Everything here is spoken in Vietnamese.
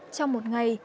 trong một ngày